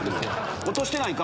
落としてないか？